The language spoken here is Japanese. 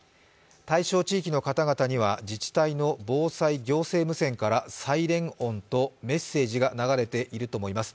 対象地域の方々には、自治体の防災行政無線からサイレン音とメッセージが流れていると思います。